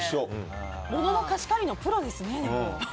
物の貸し借りのプロですね。